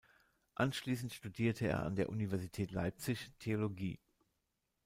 Anschließend studierte er an der Universität Leipzig Theologie.